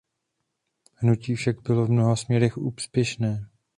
Hnutí však bylo v mnoha směrech úspěšné.